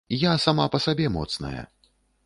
Я сама па сабе моцная.